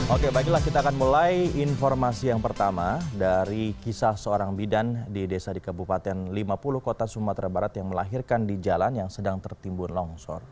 oke baiklah kita akan mulai informasi yang pertama dari kisah seorang bidan di desa di kabupaten lima puluh kota sumatera barat yang melahirkan di jalan yang sedang tertimbun longsor